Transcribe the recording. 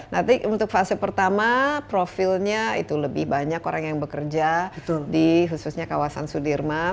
nanti untuk fase pertama profilnya itu lebih banyak orang yang bekerja di khususnya kawasan sudirman